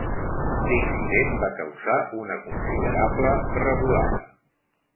L'incident va causar una considerable revolada.